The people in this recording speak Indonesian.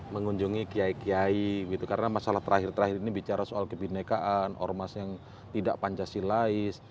mengunjungi kiai kiai karena masalah terakhir terakhir ini bicara soal kebinekaan ormas yang tidak pancasilais